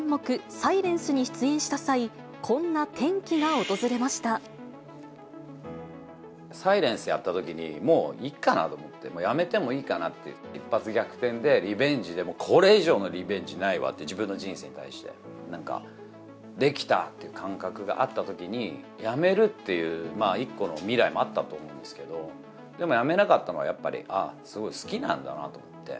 サイレンスーに出演した際、サイレンスやったときに、もういっかなと思って、辞めてもいっかな、一発逆転で、リベンジで、もうこれ以上のリベンジないわって、自分の人生に対して、なんかできたっていう感覚があったときに、辞めるっていう一個の未来もあったと思うんですけど、でも辞めなかったのは、やっぱりああ、すごい好きなんだなと思って。